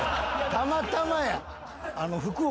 たまたまや。